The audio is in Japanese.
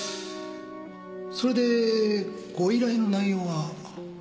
それでご依頼の内容は？